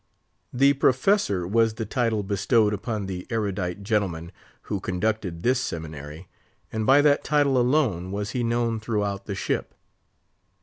"The Professor" was the title bestowed upon the erudite gentleman who conducted this seminary, and by that title alone was he known throughout the ship.